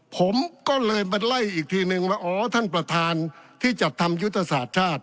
ผมก็เลยมาไล่อีกทีนึงว่าอ๋อท่านประธานที่จัดทำยุทธศาสตร์ชาติ